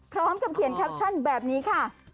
พร้อมกับเขียนแคปชั่นแบบนี้ค่ะ